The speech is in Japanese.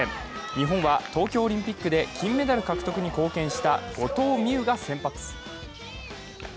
日本は東京オリンピックで金メダル獲得に貢献した後藤希友が先発。